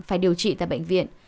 phải điều trị tại bệnh viện